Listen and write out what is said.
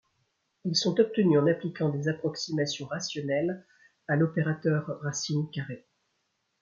Ils sont obtenus en appliquant des approximations rationnelles à l’opérateur racine carrée.